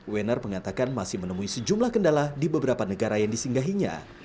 wenner mengatakan masih menemui sejumlah kendala di beberapa negara yang disinggahinya